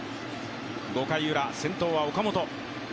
５回ウラ、先頭は岡本。